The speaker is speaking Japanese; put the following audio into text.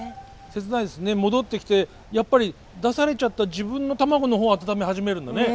戻ってきてやっぱり出されちゃった自分の卵の方を温め始めるんだね。